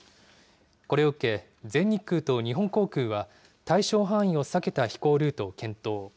これを受け、全日空と日本航空は対象範囲を避けた飛行ルートを検討。